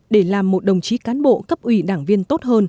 để làm một đồng chí đảng viên